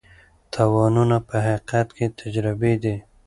تاوانونه په حقیقت کې تجربې دي.